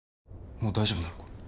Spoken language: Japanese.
もう大丈夫なのか？